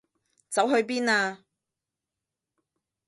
走去邊啊？